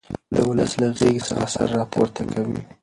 د ولس له غېږې څخه سر را پورته کوي.